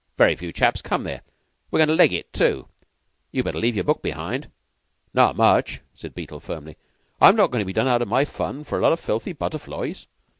Very few chaps come there. We're goin' to leg it, too. You'd better leave your book behind." "Not much!" said Beetle, firmly. "I'm not goin' to be done out of my fun for a lot of filthy butterflies."